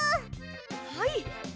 はい。